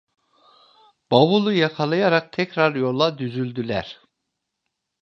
Bavulu yakalayarak tekrar yola düzüldüler.